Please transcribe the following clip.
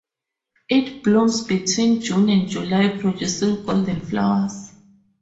It blooms between June and July producing golden flowers.